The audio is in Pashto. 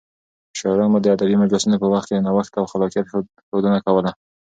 شاعران به د ادبي مجلسونو په وخت د نوښت او خلاقيت ښودنه کوله.